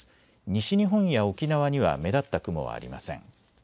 西日本や沖縄には目立った雲はありません。